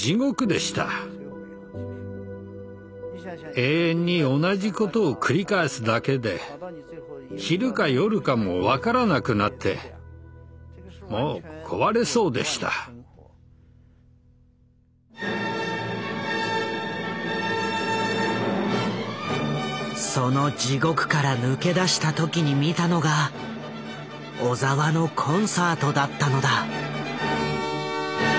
永遠に同じことを繰り返すだけで昼か夜かも分からなくなってその地獄から抜け出した時に見たのが小澤のコンサートだったのだ。